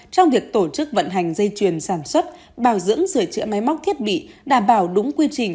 trong việc tổ chức vận hành dây chuyền sản xuất bảo dưỡng sửa chữa máy móc thiết bị đảm bảo đúng quy trình